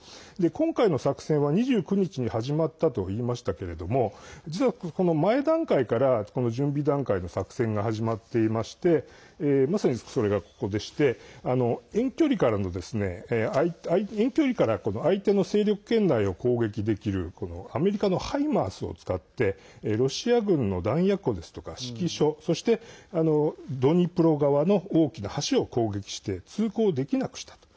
今回の作戦は２９日に始まったと言いましたけれども実は、この前段階から準備段階の作戦が始まっていましてまさに、それがここでして遠距離から相手の勢力圏内を攻撃できるアメリカの「ハイマース」を使ってロシア軍の弾薬庫ですとか指揮所そしてドニプロ川の大きな橋を攻撃して通行できなくしたと。